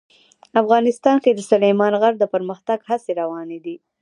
افغانستان کې د سلیمان غر د پرمختګ هڅې روانې دي.